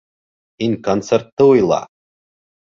Һин концертты уйла!